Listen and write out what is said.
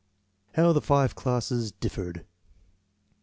How the five classes differed.